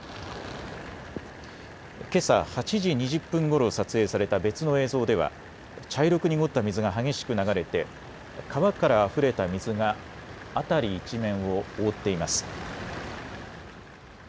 けさ８時２０分ごろ撮影された別の映像では茶色く濁った水が激しく流れて川からあふれた水が辺り一面を覆っています。